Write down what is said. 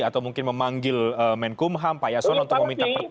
atau mungkin memanggil menkumham payasono untuk meminta perhatian